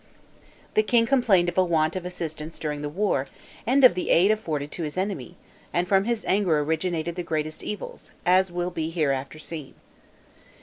The king complained of a want of assistance during the war, and of the aid afforded to his enemy; and from his anger originated the greatest evils, as will be hereafter seen.